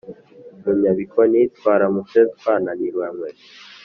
mu nyabikoni twaramutse twananiranywe!